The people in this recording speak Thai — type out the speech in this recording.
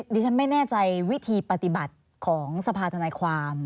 ดิฉันไม่แน่ใจวิธีปฏิบัติของสภาธนายความ